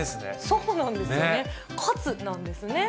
そうなんですよね、カツなんですね。